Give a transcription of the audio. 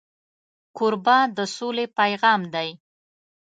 کوربه د سولې پیغام دی.